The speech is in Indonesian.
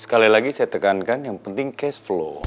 sekali lagi saya tekankan yang penting cash flow